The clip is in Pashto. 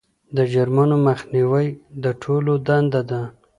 د جرمونو مخنیوی د ټولو دنده ده.